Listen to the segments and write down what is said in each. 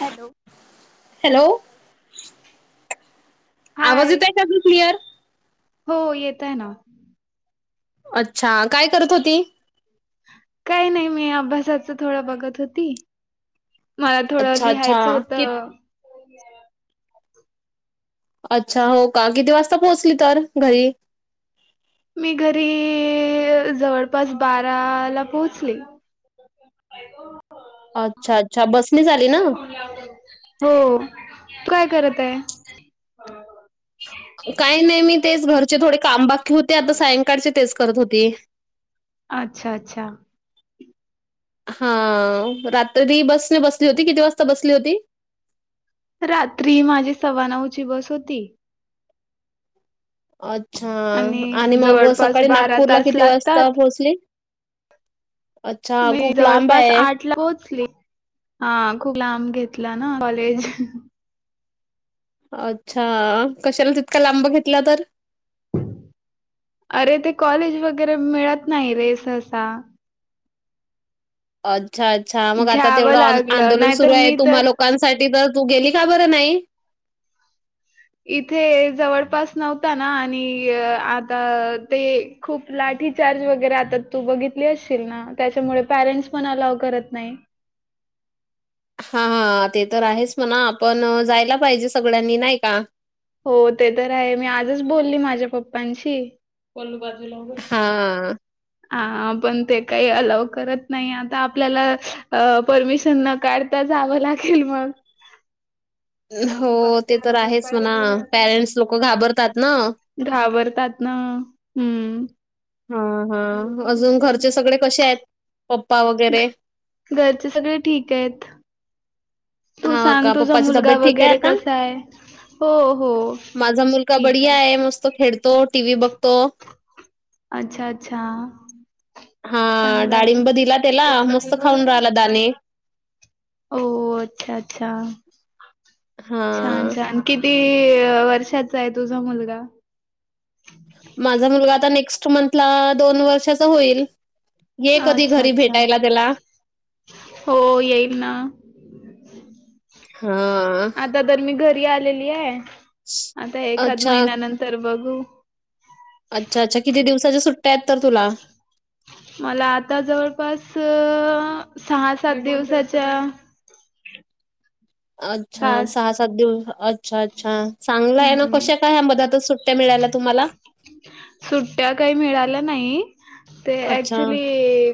Hello hello आवाज हाय येतोय का क्लियर हो ही येतय ना अच्छा काय करत होती काही नाही मी अभ्यासाच थोडं बघत होती मला थोडं अच्छा अच्छा लिहायचं कि होतं अच्छा हो का किती वाजता पोहोचली तर घरी मी घरी जवळपास बाराला पोहोचली अच्छा अच्छा बसणीच आली ना [inaudible] हो काय करत आहे काय नाही मी तेच घरचे थोडे काम बाकी होते आता सायंकाळचे तेच करत होते अच्छा अच्छा हा रात्री बसने बसली होती किती वाजता बसली होती रात्री माझी सव्वा नऊची बस होती अच्छा आणि मग जवळपास सकाळी बारा नागपूरला तास किती वाजता लागतात पोहोचली अच्छा मी खूप लांब जवळपास आहे. आठ ला पोहोचली हा खूप लांब घेतला ना कॉलेज अच्छा कशाला तितका लांब घेतला तर अरे ते कॉलेज वगैरे मिळत नाही रे सहसा अच्छा अच्छा मग आता घ्यावं तेवढं अन् लागलं आंदोलन सुरू नाहीतर आहे मी तुम्हा तर लोकांसाठी तर तू गेली का बरं नाही इथे जवळपास नव्हता ना आणि आता ते खूप लाठी चार्ज वगैरे आता तू बघितली असशील ना त्याच्यामुळे पॅरेंट्स पण अलाव करत नाही हा हा ते तर आहेच म्हणा आपण जायला पाहिजे सगळ्यांनी नाही का हो ते तर आहे मी आजच बोलली माझ्या पप्पांशी हा हा पण ते काही अलाव करत नाही आता आपल्याला परमिशन न काढ तर जावं लागेल मग ती हो पाचशे ते तर वाला बिल आहेच म्हणा पाहिलं पॅरेंट्स लोक घाबरतात ना घाबरतात ना हू हा हा अजून घरचे सगळे कशे आहेत पप्पा वगैरे घरचे सगळे ठीक आहेत तू हाव सांग का तुझा पप्पाची मुलगा तब्येत ठीक आहे वगैरे आता कसा आहे? हो हो माझा मुलगा बडिया आहे मस्त खेळतो टीव्ही बघतो अच्छा अच्छा हा चांगलं आहे. डाळिंब दिला त्याला मस्त खाऊन राहिला दाणे ओ अच्छा अच्छा हां. छान छान किती वर्षाचा आहे तुझा मुलगा माझा मुलगा आता नेक्स्ट मंथला दोन वर्षाचा होईल ये हा कधी अच्छा घरी अच्छा भेटायला त्याला. हो येईल ना हा आता तर मी घरी आलेली आहे आता एखाद अच्छा. महिन्यानंतर बघू. अच्छा अच्छा किती दिवसाच्या सुट्ट्या आहेत तर तुला. मला आता जवळपास सहा सात दिवसाच्या. अच्छा! सहा सात दिवस अच्छा अच्छा चांगलाय ना हम्म कशा काय मध्येच सुट्ट्या. सुट्ट्या मिळाला तुम्हाला? सुट्ट्या काही मिळाल्या नाही ते अच्छा. ऍक्चुली.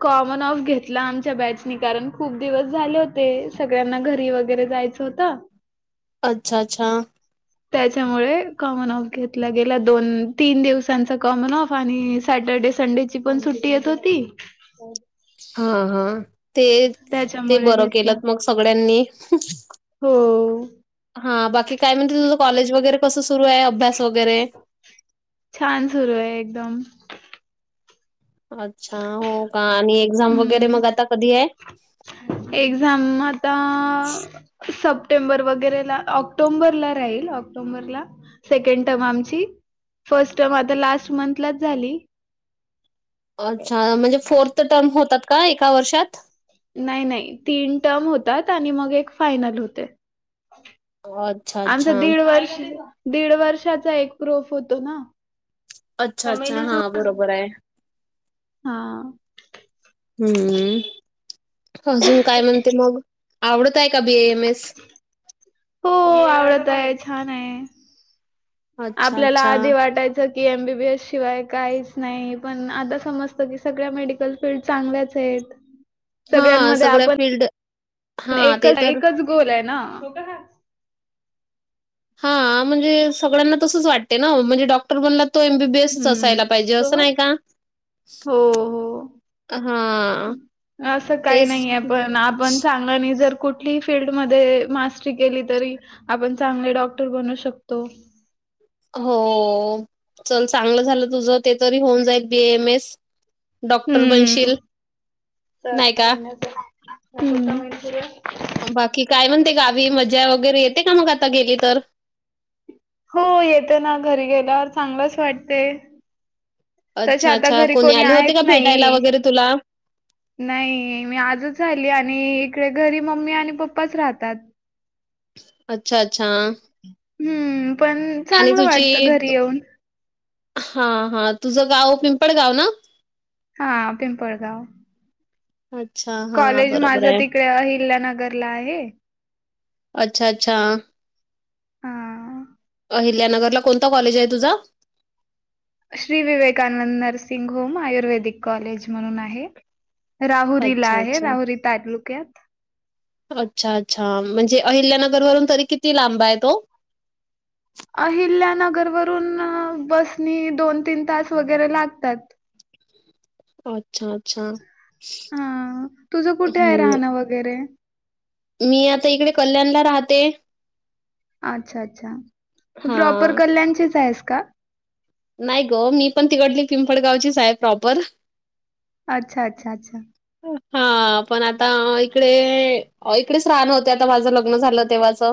कॉमन ऑफ घेतला आमच्या बॅचनी कारण खूप दिवस झाले होते सगळ्यांना घरी वगैरे जायच. जायचं होत अच्छा! अच्छा! त्याच्यामुळे कॉमन ऑफ घेतला गेला दोन तीन दिवसांचा कॉमन ऑफ आणि सॅटर्डे संडे. पण सुट्टी येत होती. हा हा ते ते त्याच्यामुळे बरं घेतला केलंत मग सगळ्यांनी. हो. हा बाकी काय म्हणते तुझं कॉलेज वगैरे कसं सुरू आहे अभ्यास वगैरे. छान सुरू आहे एकदम. अच्छा हो का? आणि एक्झाम वगैरे हम्म मग आता कधी आहे. एक्झाम आता. सप्टेंबर वगैरेला ऑक्टोबरला राहील ऑक्टोबरला. सेकंड टर्म आमची, फर्स्ट टर्म आता लास्ट मंथलाच झाली. अच्छा! म्हणजे फोर्थ टर्म होतात का एका वर्षात? नाही नाही तीन टर्म होतात, आणि मग एक फायनल होते. अच्छा आमच अच्छा दीड वर्ष दीड वर्षाचा एक प्रूफ होतो ना. अच्छा अच्छा हा बरोबर आहे. हा. हम्म अजून काय म्हणते मग आवडत आहे का बी. ए. एम. एस. हो आवडत आहे छान आहे अच्छा आपल्याला अच्छा. आधी वाटायच. जसं की एम बी बी एस शिवाय काहीच नाही पण आता समजतं की सगळ्या मेडिकल फील्ड चांगल्याच आहेत. हा सगळ्या फील्ड. पण हां, एक ते तर एकच गोल आहे ना? हा म्हणजे सगळ्यांना तसंच वाटते ना म्हणजे डॉक्टर बनला. एमबीबीएस हम्म असायला पाहिजे असं नाही का? हां, अस काही तेच नाही आहे पण आपण. चांगल आणि जर कुठली फील्ड मध्ये मास्टरी केली तरी. आपण चांगले डॉक्टर बनू शकतो. हो चल चांगलं झालं तुझ, ते तरी होऊन जाईल बी एम एस. डॉक्टर हम्म. बनशील नाही का. [inaudible] बाकी काय म्हणते गावी मजा वगैरे येते का मग आता गेली तर. हो येते ना घरी गेल्यावर चांगलंच वाटते. तसे अच्छा, आता अच्छा. घरी कोणी आले होते का आहेत भेटायला नाही. वगैरे तुला? नाही मी आजच झाली आणि इकडे घरी मम्मी आणि पप्पाच राहतात. अच्छा! अच्छा! हम्म पण आणि चांगलं वाटतं घरी येऊन. हा हा तुझं गाव, पिंपळ गाव ना? हा पिंपळगाव. अच्छा! हां. कॉलेज बरोबर माझं आहे. तिकडे अहिल्यानगरला आहे. अच्छा! अच्छा! हा अहिल्यानगरला कोणता कॉलेज आहे तुझं? श्री विवेकानंद नर्सिंग होम आयुर्वेदिक कॉलेज म्हणून आहे. राहुरीला अच्छा, आहे. अच्छा. राहुरी तालुक्यात. अच्छा! अच्छा! म्हणजे अहिल्यानगर वरून तरी किती लांब आहे तो? अहिल्यानगरवरून बसनी दोन तीन तास वगैरे लागतात. अच्छा! अच्छा! हा तुझं [inaudible] कुठे आहे हम्म. राहणं वगैरे मी आता इकडे कल्याणला राहते. अच्छा! अच्छा! तू प्रॉपर हां. कल्याणचीच आहेस का? नाही गं. मी पण तिकडली पिंपळगावचीच आहे प्रॉपर. अच्छा! अच्छा! अच्छा! हा. पण आता इकडे, इकडेच राहान होते, आता माझं लग्न झालं तेव्हाचं.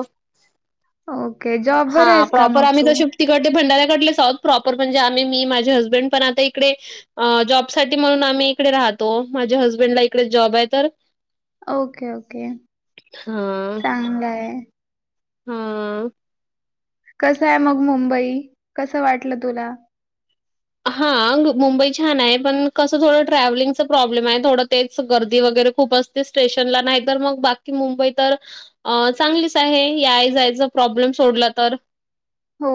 ओके [inaudible] जॉब वर हा आहेस का प्रॉपर मग आम्ही तू? तशी तिकडंले भंडाऱ्या कडलेच आहोत. प्रॉपर म्हणजे आम्ही मी माझे हसबंड पण आता इकडे अ जॉब साठी म्हणून आम्ही इकडे राहतो. माझ्या हसबंडला इकडे जॉब आहे तर. Okay okay. [inaudible] चांगलंय. हम्म. कसं आहे मग मुंबई? कसं वाटलं तुला? हा मुंबई छान आहे. पण कसं थोडं ट्रॅव्हलिंगच प्रॉब्लेम आहे. थोडं तेच गर्दी वगैरे खूप अस स्टेशनला. नाही तर मग बाकी मुंबई तर- अ चांगलीच आहे, याय जायचं प्रॉब्लेम सोडला तर. हो.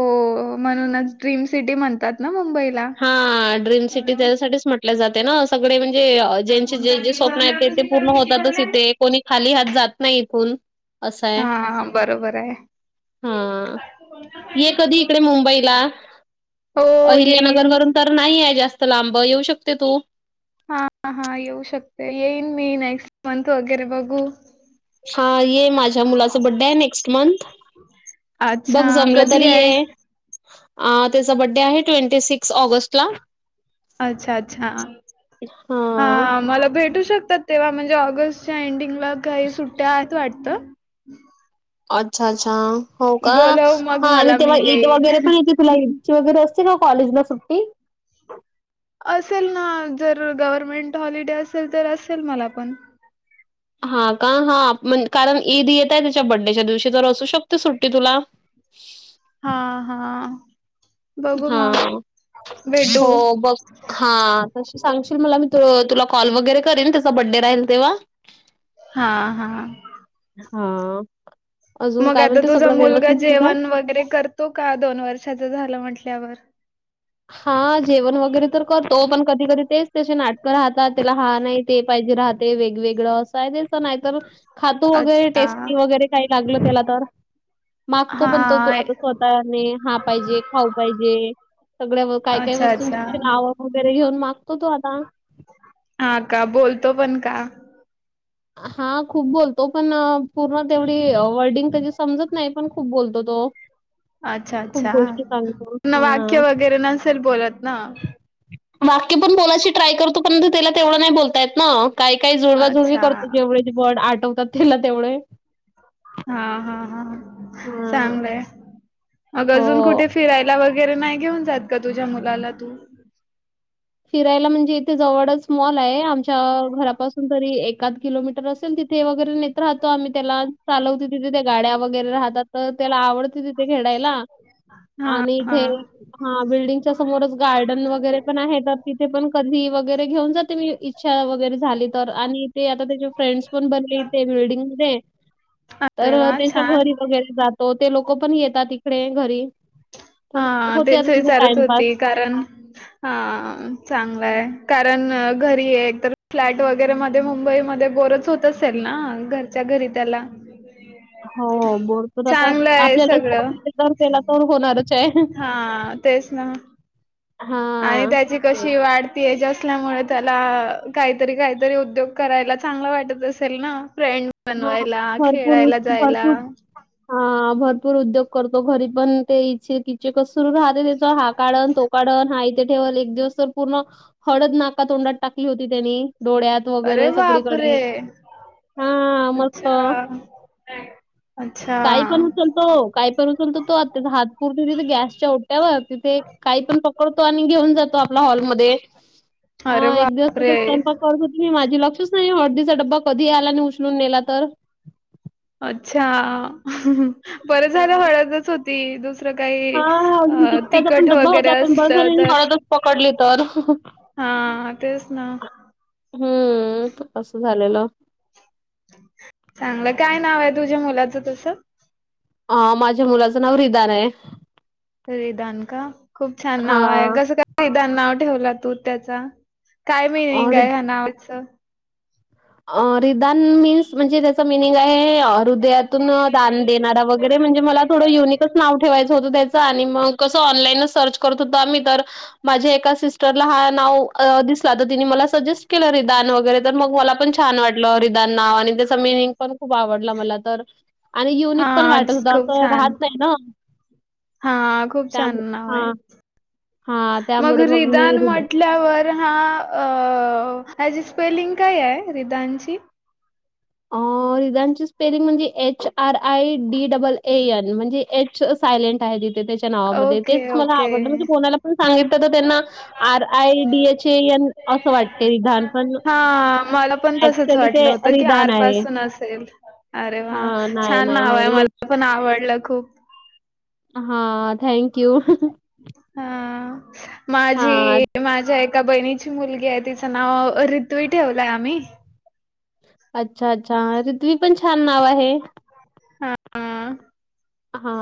म्हणूनच ड्रीम सिटी म्हणतात ना मुंबईला. हा. ड्रीम सिटी त्यासाठीच म्हटले जाते ना. सगळे म्हणजे- ज्यांचे जे जे स्वप्न आहे, ते ते पूर्ण होतातच इथे. कोणी खाली हात जात नाही इथून. हा हा बरोबर आहे. हा. ये कधी इकडे मुंबईला. हो येईन. अहिल्यानगरवरून तर नाही आहे जास्त लांब. येऊ शकते तू- हा हा येऊ शकते. येईन मी नेक्स्ट मंथ वगैरे बघू- हा ये माझ्या मुलाच बडे्ड आहे नेक्स्ट मंथ. बघ अच्छा, जमलं तर कधी ये. आहे? [inaudible] आ त्याचा बड्डे आहे ट्वेंटी सिक्स ऑगस्ट ला. अच्छा! अच्छा! [inaudible] हां. हा मला भेटू शकतात तेव्हा म्हणजे ऑगस्टच्या एंडिंगला काही सुट्ट्या आहेत वाटत. अच्छा! अच्छा! हो का? मग हा आणि मला तेव्हा मी ईद येईन. वगैरे पण येते- तुला ईदची वगैरे असते ना कॉलेजला सुट्टी. असेल ना. जर गव्हर्मेंट हॉलिडे असेल तर असेल मला पण. हा का. हा कारण ईद येत आहे त्याच्या बड्डेच्या दिवशी, तर असू शकते सुट्टी तुला. हा हा. हा हा. [inaudible] भेटू. हो बघ. हा तशी सांगशील मला, मी त तुला कॉल वगैरे करेन, त्याचा बड्डे राहील तेव्हा. [unintelligible] हा हा हा मग आता तुझा मुलगा आहे? जेवण वगैरे करतो का दोन वर्षाच झालं म्हटल्यावर. हा जेवण वगैरे तर करतो, पण कधी कधी तेच त्याचे नाटकं राहतात त्याला हा नाही. ते पाहिजे राहते वेगवेगळं असं आहे तेसं नाहीतर - खातो वगैरे अच्छा टेस्टी वगैरे काही लागलं त्याला तर. मागतो पण तर तू हा आता स्वतःने हा पाहिजे खाऊ पाहिजे. सगळ्या काय काय अच्छा अच्छा वस्तूंची नावं वगैरे घेऊन मागतो तो आता. हा का बोलतो पण का? हा खूप बोलतो पण पूर्ण तेवढी वर्डिंग तेजी - समजत नाही पण खूप बोलतो तो. अच्छा खूप अच्छा गोष्टी सांगतो. पूर्ण वाक्य हां. वगैरे नसेल बोलत ना. वाक्य पण बोलायची ट्राय करतो, परंतु त्याला तेवढं नाही बोलतायत ना काही काही जुळवाजुळवी अच्छा करतो जेवढे - वर्ड आठवतात तेला तेवढे- हा हा हा हां. चांगलंय मग अजून हो. कुठे फिरायला वगैर- बाहेर वगैरे नाही घेऊन जात का तुझ्या मुलाला तू- फिरायला म्हणजे इथे जवळच मॉल आहे आमच्या घरापासून तरी एकाद किलोमीटर असेल तिथ- ते वगैरे नेत राहतो आम्ही त्याला चालवतो तिथे त्या गाड्या वगैरे राहतात तर त्याला आवडतिथ- तिथं घेडायला. हा आणि हा इथे हा बिल्डिंगच्या समोरच गार्डन वगैरे पण आहेत. तथे पण कधी वगैरेन जाते मी इच्छा- वगैरे झाली तर, आणि ते आता त्याचे फ्रेंड्स पण बरे बिल्डिंग मध्ये. तर अरे वा त्यांच्या छान. घरी वगैरे जातो ते लोक पण येतात. प्रेम घरी तर हा होते तेच आता तुझं विचारत टाइमपास होती कारण हा चांगलं आहे कारण घरी हे तर - फ्लॅट वगैरे मध्ये मुंबईमध्ये बोरच होत असेल ना, घरच्या घरी त्याला. हो बोर तर आता चांगलं आहे सगळं आपल्यालाला तरण होणारच आहे. हा तेच ना आणि हां, त्याची तेच. कशी वाढती एज असल्यामुळे त्याला काहीतरी काहीतरी उद्योग करायला चांगला वाटतं अस असल ना फ्रेंड हां, बनवायला, खेळायला जायला हा भरपूर उद्योग करतो घरी पण ते इच्छ की- जे कस सुरू राहते त्याचा हा काढण तो काढण हा ते ठेवाल एक दिवस तर पूर्ण हळद नाका तोंडात टाकली होती त्यांनी डोळ्यात अरे वगैरे सगळीकडे. बापरे हां, मस्त. अच्छा! अच्छा काही पण उचलतो, काही पण उचलतो तो आत्ता हात पुरतो तिथे गॅसच्या ओट्यावर तिथे काही पण पकडतो, आणि घेऊन जातो आपला हॉलमध्ये अरे हा एक दिवस तसच बापरे स्वयंपाक- करत होती माझी लक्षच नाही हळदीचा डब्बा कधी आला आणि उचलून नेला तर अच्छा! बरं झालं हां. हळदच होती दुस दुसरं काही हां, अजून तिखटाचा पण तिखट डब्बा वगैरे होता, पण असत बरं झालं मी तर हळदच पकडली तर. हा तेच ना हम्म अस झालेलं चांगलं काय नावाय तुझ्या मुलाचं तस अ माझ्या मुलाचं नाव रिदान आय रिदान का खूप छान नावाय, हां, कसं काय रिदान नाव ठेवलं तू त्याचं? काय अ, मिनींग रि आय ह्या नावाच अ रिदान मीन्स म्हणजे त्याच मिनींग आहे अं हृदयातून दान देणारा वग वगैरे म्हणजे मला थोडं युनिकच नाव ठेवायचं होत त्याचं आणि मग कसं ऑनलाईनच सर्च करत होत आम्ही तर माझे एकास सिस्टरला हा नाव अं दिसला तर तिनी मला सजेस्ट केलं रिदान वैगेरे तर मग मला पण छान छान वाटलं रिदान नाव आणि त्याच मीनिंग पण खूप आवडला मला तर आणि युनिक पण हां वाटत होता असं राहत नाही ना हा खूप छान त्यामुळे नावाय. हां, हां. मग त्यामुळे मी रिदान रिदा म्हटल्यावर तर हा अं ह्याची स्पेलिंग कायाय रिदानची अं रिदानची स्पेलिंग म्हणजे H R I D double A N म्हणजे एच सायलेंट आहे त्याच्या नावामध्ये ओके, तेच मला आवडलं ओके. म्हणजे कोणाला पण सांगितलं तर त्यांना R I D H A N असं वाटते विधान पण हा मला पण तसंच ॲक्चुअली ते वाटलं होतं की रिदान आर आहे. पासून असेल, अरे वा, हां, नाही, छान नाही, नावाय, नाही. एच मला पण आवडलं खूप हा थँक यू हा हां, माझी माझ्या एका बहिणीची मुलगी आहे, तिचं नाव रिथ्वी ठेवलय आम्ही अच्छा अच्छा रिथ्वी पण छान नाव आहे हा हा हा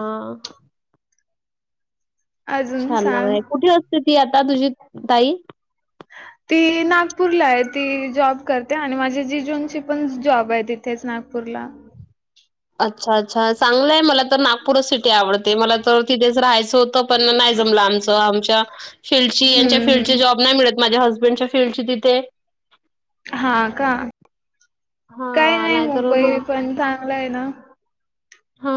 अजून छान सांग. नावाय कुठे असते ती आता तुझी ताई, ती नागपूरलाय ती जॉब करते आणि माझी जिजुंची पण जॉब आहे तिथ तेच नागपूरला अच्छा अच्छा, चांगलंय मला. तर नागपूरचं सिटी आवडते मला, तर तिथेच राहायचं होतं, पण नाही जमलं आमचं, आमच्या [unintelligible] यांच्या हम्म फील्डची हम्म जॉब नाही मिळत माझ्या हसबंडच्या फील्डची तिथे. हा का काय हां, नाई, नाहीतर मग मुंबई पण चांगलंय ना? हां.